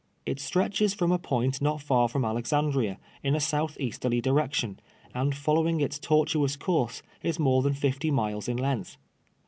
It stretches from a point not far from Alex andria, in a south easterly direction, and following its tortuous course, is mm e than fifty iniles in length.